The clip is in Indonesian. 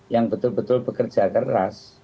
yang betul betul bekerja keras